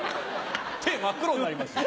手真っ黒になりますよ。